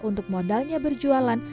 untuk modalnya berjualan